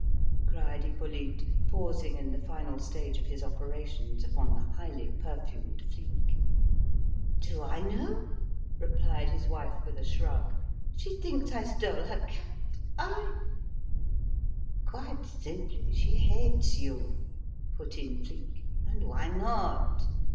cried Hippolyte, pausing in the final stage of his operations upon the highly perfumed Flique. "Do I know?" replied his wife with a shrug. "She thinks I stole her cat I!" "Quite simply, she hates you," put in Flique. "And why not?